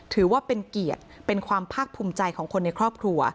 ถือว่าเป็นเกียรติเป็นความภาคภูมิใจของคนในครอบครัว